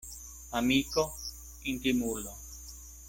Amiko — intimulo.